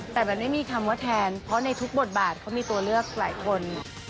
แต่แบบไม่มีคำว่าแทนเพราะในทุกบทบาทเขามีตัวเลือกหลายคน